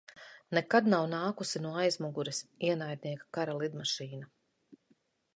Nekad nav nākusi no aizmugures ienaidnieka kara lidmašīna.